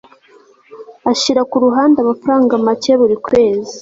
ashira ku ruhande amafaranga make buri kwezi